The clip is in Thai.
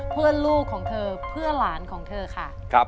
เพื่อลูกของเธอเพื่อหลานของเธอค่ะ